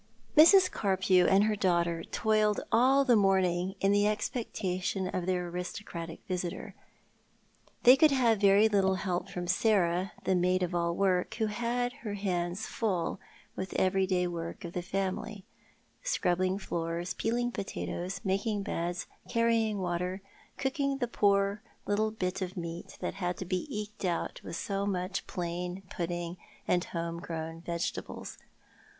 Mrs. Carpew and her daughter toiled all the morning in the expectation of their aristocratic visitor. They could have very little help from Sarah, the maid of all work, who had her hands full with the every day work of the family — scrubbing floors, peeling potatoes, making beds, carrying water, cooking tlie poor little bit of meat that had to be eked out with much plain pudding and home grown vegetables.